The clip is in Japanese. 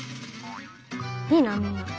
いいなみんな。